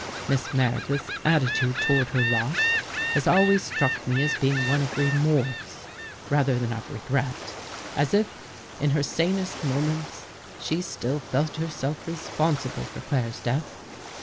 Miss Meredith's attitude toward her loss has always struck me as being one of remorse rather than of regret; as if, in her sanest moments, she still felt herself responsible for Claire's death.